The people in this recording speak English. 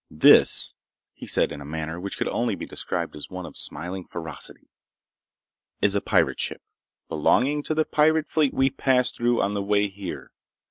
"This," he said in a manner which could only be described as one of smiling ferocity, "is a pirate ship, belonging to the pirate fleet we passed through on the way here.